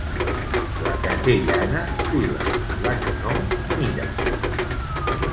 La que té llana, fila; la que no, mira.